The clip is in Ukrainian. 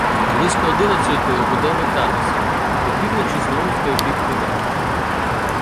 Близько одинадцятої буде вертатися, а попівночі знову в той бік піде.